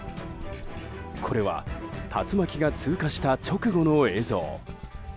これは竜巻が通過した直後の映像。